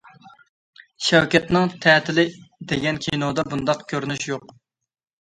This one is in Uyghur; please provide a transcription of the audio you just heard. شەۋكەتنىڭ تەتىلى دېگەن كىنودا بۇنداق كۆرۈنۈش يوق.